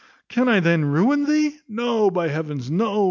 can I then ruin thee? No; by heavens, no!